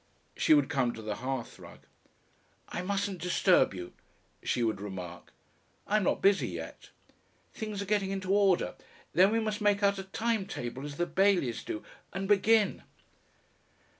She would come to the hearthrug. "I mustn't disturb you," she would remark. "I'm not busy yet." "Things are getting into order. Then we must make out a time table as the Baileys do, and BEGIN!"